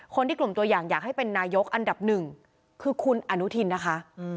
คนที่กลุ่มตัวอย่างอยากให้เป็นนายกอันดับหนึ่งคือคุณอนุทินนะคะ